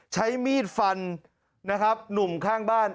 ใช้มีดฟันนะครับหนุ่มข้างบ้าน